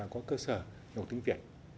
có cơ sở dùng tiếng việt